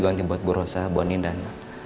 ini diganti buat bu rossa bu andien dan